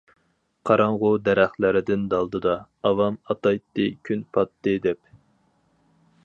قاراڭغۇ دەرەخلەردىن دالدىدا، ئاۋام ئاتايتتى كۈن پاتتى دەپ.